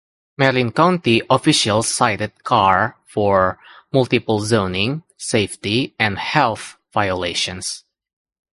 Marin County officials cited Carr for "multiple zoning, safety, and health violations".